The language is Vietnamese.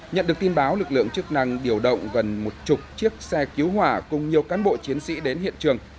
nhận được tin báo lực lượng chức năng điều động gần một chục chiếc xe cứu hỏa cùng nhiều cán bộ chiến sĩ đến hiện trường